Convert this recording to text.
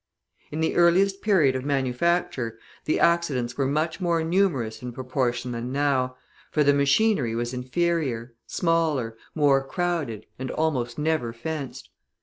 In the earliest period of manufacture, the accidents were much more numerous in proportion than now, for the machinery was inferior, smaller, more crowded, and almost never fenced.